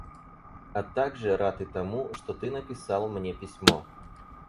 А также рад и тому, что ты написал мне письмо.